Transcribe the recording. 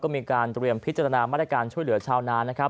มีการพิจารณมารการช่วยเหลือชาวน้ำ